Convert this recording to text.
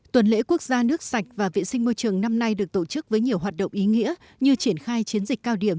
tuần lễ quốc gia nước sạch và vệ sinh môi trường năm nay được tổ chức với nhiều hoạt động ý nghĩa như triển khai chiến dịch cao điểm